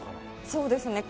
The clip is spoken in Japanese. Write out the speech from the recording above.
そうですね。